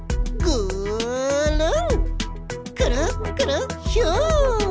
くるっくるっひゅん！